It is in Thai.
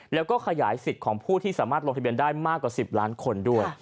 แล้วก็ขยายสิทธิ์ของผู้ที่สามารถลงทะเบียนได้มากกว่า๑๐ล้านคนด้วย